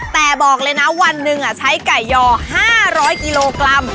แต่บอกเลยนะวันหนึ่งใช้ไก่ยอ๕๐๐กิโลกรัม